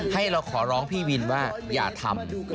ให้เราขอร้องพี่วินว่าอย่าทำ